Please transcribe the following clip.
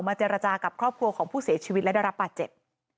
เจรจากับครอบครัวของผู้เสียชีวิตและได้รับบาดเจ็บ